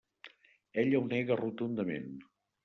Ella ho nega rotundament.